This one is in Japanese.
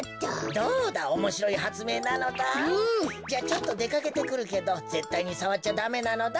ちょっとでかけてくるけどぜったいにさわっちゃダメなのだ。